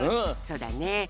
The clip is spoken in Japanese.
そうだね。